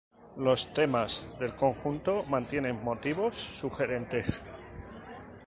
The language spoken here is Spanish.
Los temas del conjunto mantienen motivos sugerentes.